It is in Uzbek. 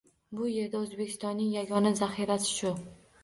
Biz bu yerda O‘zbekistonning yagona zaxirasi shu